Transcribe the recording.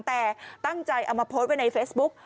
แต่ตั้งใจเอามาโพสต์ไว้ในเฟซบุ๊ก